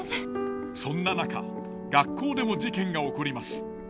そんな中学校でも事件が起こります。